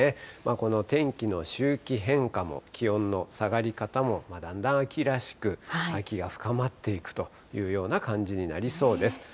この天気の周期変化も気温の下がり方も、だんだん秋らしく、秋が深まっていくという感じになりそうです。